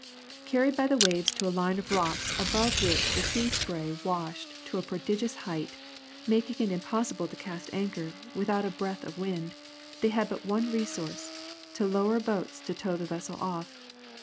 Carried by the waves to a line of rocks above which the sea spray washed to a prodigious height, making it impossible to cast anchor; without a breath of wind, they had but one resource, to lower boats to tow the vessel off.